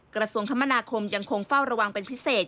กระทรวงคมนาคมยังคงเฝ้าระวังเป็นพิเศษ